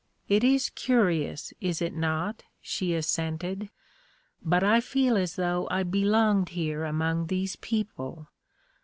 " It is curious, is it not," she assented, " but I feel as though I belonged here among these people."